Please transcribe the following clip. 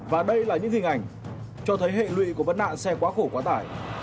và đây là những hình ảnh cho thấy hệ lụy của vấn nạn xe quá khổ quá tải